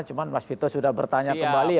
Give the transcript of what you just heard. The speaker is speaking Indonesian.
cuman mas vito sudah bertanya kembali